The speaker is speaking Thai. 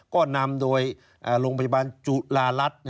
ก็นำโดยโรงพยาบาลจุฬารัฐ